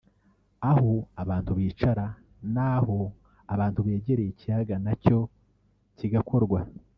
aho abantu bicara n’aho abantu begereye ikiyaga nacyo kigakorwa